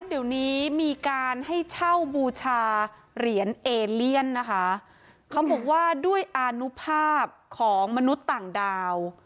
เดี๋ยวนี้มีการให้เช่าบูชาเหรียญเอเลียนนะคะเขาบอกว่าด้วยอานุภาพของมนุษย์ต่างดาว